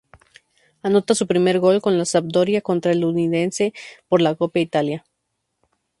Anota su primer gol con la Sampdoria contra el Udinese por Copa Italia.